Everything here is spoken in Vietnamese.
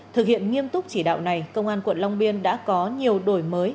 thực hiện nghiêm túc chỉ đạo này công an quận long biên đã có nhiều đổi mới